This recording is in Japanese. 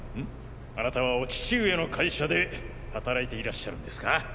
あなたはお父上の会社で働いていらっしゃるんですか？